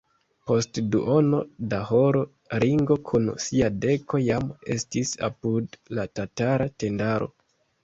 Post duono da horo Ringo kun sia deko jam estis apud la tatara tendaro.